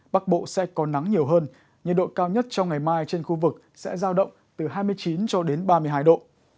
bắc bộ sẽ có nắng nhiều hơn nhiệt độ cao nhất trong ngày mai trên khu vực sẽ giao động từ hai mươi chín cho đến ba mươi hai độ